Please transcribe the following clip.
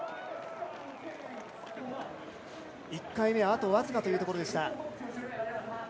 １回目、あと僅かというところでした。